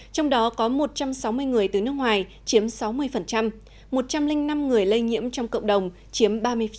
trong đó có một trăm sáu mươi người từ nước ngoài chiếm sáu mươi một trăm linh năm người lây nhiễm trong cộng đồng chiếm ba mươi